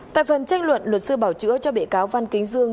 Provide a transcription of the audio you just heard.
tại phần tranh luận luật sư bảo chữa cho bệ cáo văn kinh dương